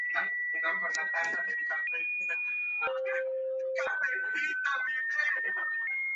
En septiembre se organiza el festival de filosofía en Módena, Carpi y Sassuolo.